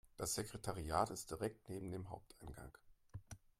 Das Sekretariat ist direkt neben dem Haupteingang.